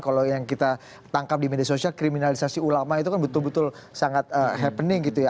kalau yang kita tangkap di media sosial kriminalisasi ulama itu kan betul betul sangat happening gitu ya